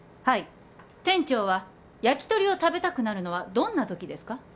はい店長はやきとりを食べたくなるのはどんなときですか？